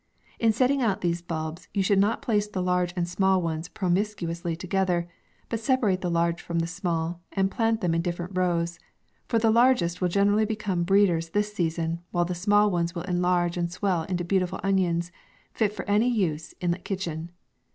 In setting out these bulbs, you should not place the large and small ones promiscuously together, but separate the large from the small, and plant them in different rows ; for the largest will generally become breeders this season, while the small ones will enlarge, and swell into beautiful onions, fit for any use in the kitchen.